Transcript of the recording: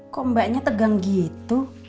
kok mbaknya tegang gitu